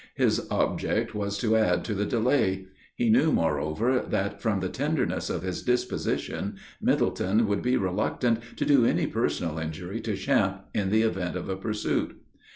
His object was to add to the delay. He knew, moreover, that, from the tenderness of his disposition, Middleton would be reluctant to do any personal injury to Champe, in the event of a pursuit.